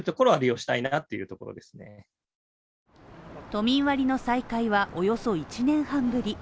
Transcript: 都民割の再開はおよそ１年半ぶり。